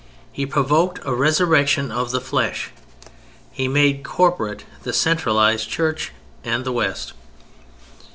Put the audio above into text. He provoked a resurrection of the flesh. He made corporate the centralized Church and the West.